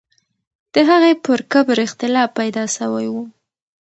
د هغې پر قبر اختلاف پیدا سوی وو.